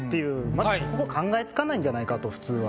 まずそこも考えつかないんじゃないかと普通は。